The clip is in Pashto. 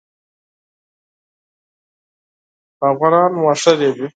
باغوانان واښه رېبي.